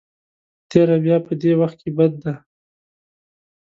په تېره بیا په دې وخت کې بد دی.